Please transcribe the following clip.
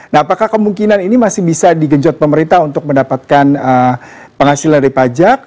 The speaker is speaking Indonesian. nah apakah kemungkinan ini masih bisa digenjot pemerintah untuk mendapatkan penghasilan dari pajak